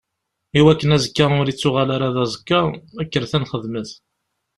I wakken azekka ur ittuɣal ara d aẓekka, kkret ad nxedmet!